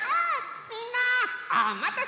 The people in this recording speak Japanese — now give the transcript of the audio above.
みんなおまたせ！